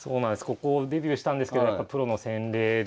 ここデビューしたんですけどやっぱプロの洗礼でですね